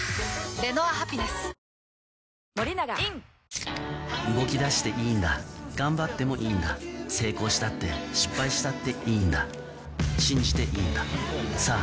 プシュ動き出していいんだ頑張ってもいいんだ成功したって失敗したっていいんだ信じていいんださぁ